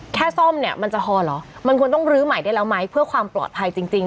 แค่ซ่อมเนี่ยมันจะพอเหรอมันควรต้องลื้อใหม่ได้แล้วไหมเพื่อความปลอดภัยจริงจริง